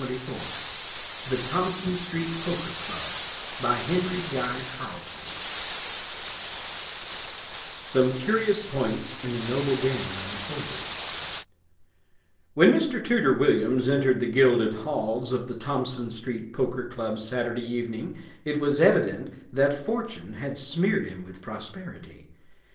HENRY GUY CARLETON THE THOMPSON STREET POKER CLUB SOME CURIOUS POINTS IN THE NOBLE GAME UNFOLDED When Mr. Tooter Williams entered the gilded halls of the Thompson Street Poker Club Saturday evening it was evident that fortune had smeared him with prosperity.